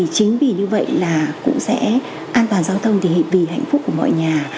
chính vì như vậy là cũng sẽ an toàn giao thông thì vì hạnh phúc của mọi nhà